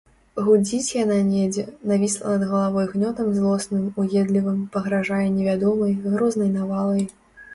Гудзіць яна недзе, навісла над галавой гнётам злосным, уедлівым, пагражае невядомай, грознай навалай.